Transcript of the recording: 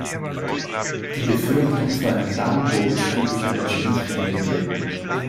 Die Befürchtung vor einem Dammbruch ist glücklicherweise nicht eingetreten.